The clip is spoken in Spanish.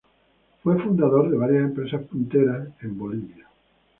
Fue fundador de varias empresas punteras en Bolivia.